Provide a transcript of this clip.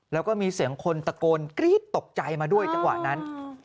แล้วก็มีเสียงคนตะโกนกรี๊ดตกใจมาด้วยจังหวะนั้น